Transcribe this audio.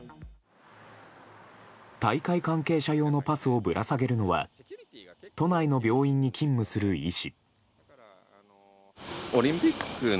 大会関係者用のパスをぶら下げるのは都内の病院に勤務する医師。